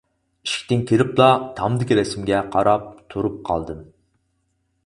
ئىشىكتىن كىرىپلا تامدىكى رەسىمگە قاراپ تۇرۇپ قالدىم.